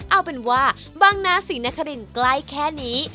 เอาเป็นว่าบางนาศรีนครินใกล้แค่นี้